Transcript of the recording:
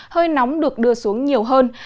hơi nóng được đưa xuống nhiều hơn